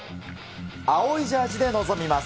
青いジャージで臨みます。